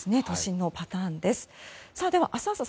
都心のパターンです。